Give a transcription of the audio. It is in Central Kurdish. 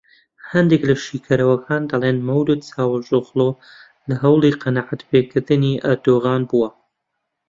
هەندێک لە شیکەرەوەکان دەڵێن مەولود چاوشئۆغڵو لە هەوڵی قەناعەتپێکردنی ئەردۆغان بووە